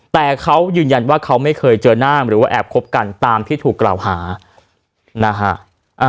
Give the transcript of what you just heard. แต่เขายืนยันว่าเขาไม่เคยเจอหน้าหรือว่าแอบคบกันตามที่ถูกกล่าวหานะฮะ